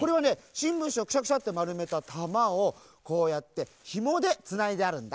しんぶんしをくしゃくしゃってまるめたたまをこうやってひもでつないであるんだ。